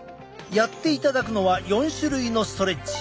やっていただくのは４種類のストレッチ。